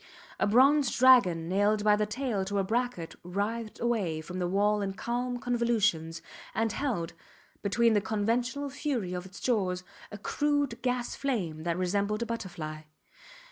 A bronze dragon nailed by the tail to a bracket writhed away from the wall in calm convolutions, and held, between the conventional fury of its jaws, a crude gas flame that resembled a butterfly.